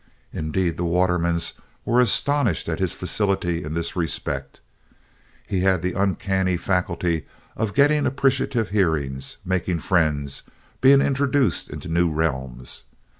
Indeed the Watermans were astonished at his facility in this respect. He had an uncanny faculty for getting appreciative hearings, making friends, being introduced into new realms.